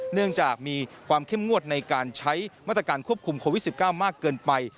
เนื่องจากมีความเข้มงวดในการใช้มาตรการควบคุมโควิด๑๙มากเกินไป